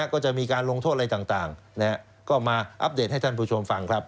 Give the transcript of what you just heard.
ก็จะมีการลงโทษอะไรต่างก็มาอัปเดตให้ท่านผู้ชมฟังครับ